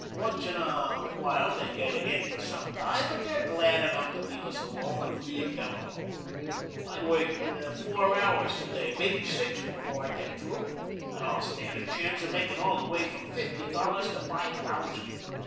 Once in a while dey get it in for some guy, but dey're glad enough to leave us alone if we leave dem alone. I worked four hours to day, maybe six before I get through, and I'll stand a chance of makin' all the way from fifty dollars to five thousand.